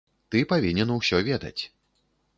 Ты павінен усё ведаць.